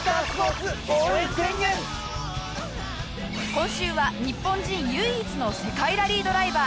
今週は日本人唯一の世界ラリードライバー